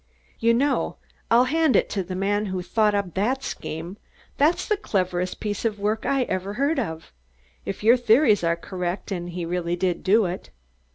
"You know, I'll hand it to the man who thought up that scheme. That's the cleverest piece of work I ever heard of, if your theories are correct and he really did do it."